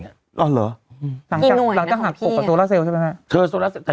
ที่หน่วยนะคุณพี่